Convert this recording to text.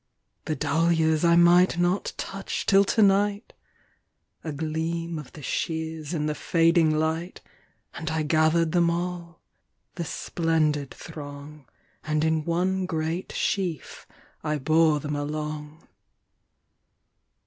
The dahlias I might not touch till to night!A gleam of the shears in the fading light, And I gathered them all,—the splendid throng, And in one great sheaf I bore them along..